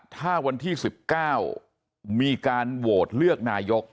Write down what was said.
ถ้าวันที่๑๙มีการโหวตเลือกนายก